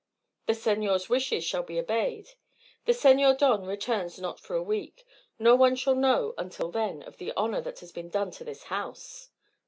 "The senor's wishes shall be obeyed. The Senor Don returns not for a week. No one shall know until then of the honour that has been done to his house."